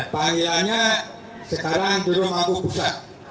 panggilannya sekarang jero mangku pusat